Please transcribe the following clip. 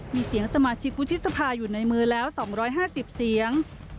มีเสียงสมาชิกวุฒิสภาอยู่ในมือแล้ว๒๕๐เสียง